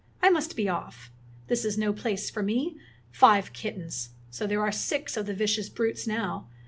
I must be off. This is no place for me. Five kittens! So there are six of the vicious brutes now!